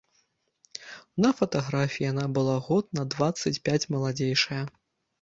На фатаграфіі яна была год на дваццаць пяць маладзейшая.